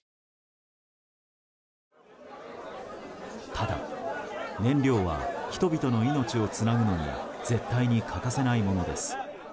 ただ、燃料は人々の命をつなぐのに絶対に欠かせないものです。